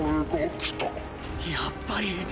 やっぱり！